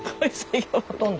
ほとんど。